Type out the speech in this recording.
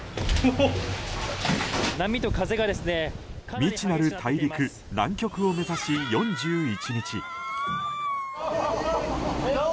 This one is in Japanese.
未知なる大陸、南極を目指し４１日。